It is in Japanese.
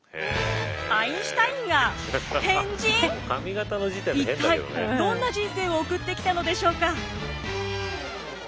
アインシュタインが一体どんな人生を送ってきたのでしょうか？